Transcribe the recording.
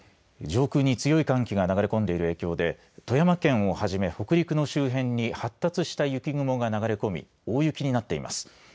上空に強い寒気が流れ込んでいる影響で富山県をはじめ北陸の周辺に発達した雪雲が流れ込み大雪になっています。